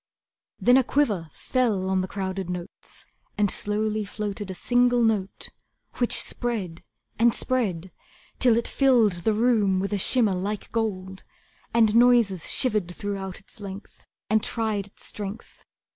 Then a quiver fell on the crowded notes, And slowly floated A single note which spread and spread Till it filled the room with a shimmer like gold, And noises shivered throughout its length, And tried its strength.